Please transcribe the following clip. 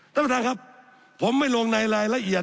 ท่านประธานครับผมไม่ลงในรายละเอียด